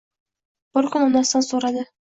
Bir kun onasidan so'radi: